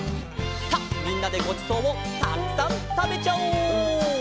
さあみんなでごちそうをたくさんたべちゃおう。